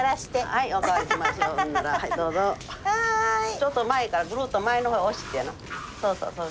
ちょっと前からぐるっと前の方へ押してやなそうそう。